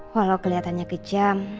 walau keliatannya kejam